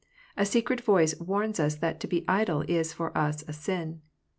A secret voice warns us that to be idle is for us a sin.